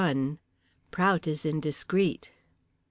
PROUT IS INDISCREET.